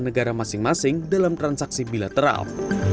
negara masing masing dalam transaksi bilateral